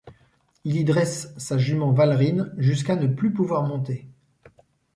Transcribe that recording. Il y dresse sa jument Vallerine jusqu'à ne plus pouvoir monter.